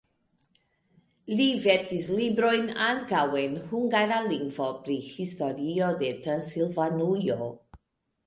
Li verkis librojn ankaŭ en hungara lingvo pri historio de Transilvanujo.